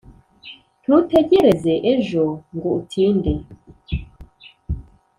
ntutegereze ejo; ngo utinde